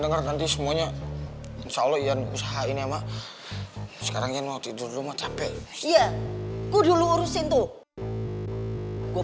dengan nanti semuanya insya allah ya usaha ini a rok tidur sampe cluster dulu urusin tuh